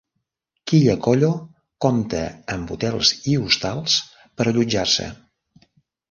Quillacollo compta amb hotels i hostals per allotjar-se.